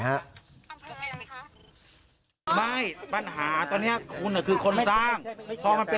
มันไม่ใช่สิ่งที่